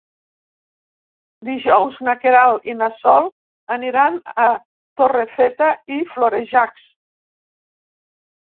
Dijous na Queralt i na Sol aniran a Torrefeta i Florejacs.